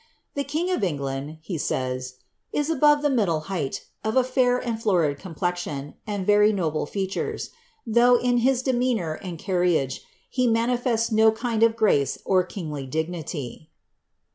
^ The king of England," he says, ^ is above the middle height, of a fair and florid complexion, and very noble features ; though, in his demeanour arid carriage, he manifests no kind of grace or kingly dignity."